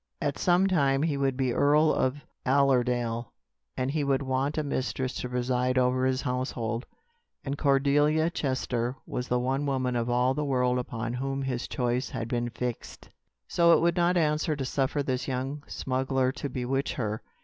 At some time he would be earl of Allerdale; and he would want a mistress to preside over his household; and Cordelia Chester was the one woman of all the world upon whom his choice had been fixed. So it would not answer to suffer this young smuggler to bewitch her.